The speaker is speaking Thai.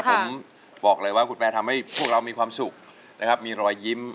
ผมบอกเลยว่าคุณแปรทำให้พวกเรามีความสุขนะครับมีรอยยิ้ม